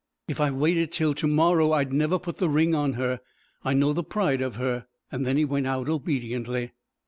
If I waited till to morrow I'd never put the ring on her. I know the pride of her.' And then he went out obediently.